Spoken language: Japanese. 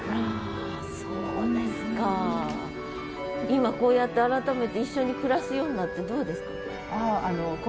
今こうやって改めて一緒に暮らすようになってどうですか？